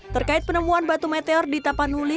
terkait penemuan batu meteor di tapanuli